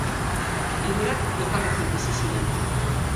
Hirurak elkarrekin bizi ziren.